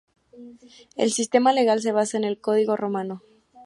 El sistema legal se basa en el código romano.